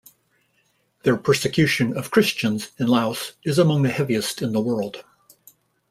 Their persecution of Christians in Laos is among the heaviest in the world.